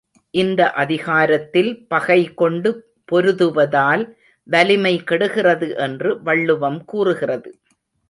இந்த அதிகாரத்தில் பகை கொண்டு பொருதுவதால் வலிமை கெடுகிறது என்று வள்ளுவம் கூறுகிறது.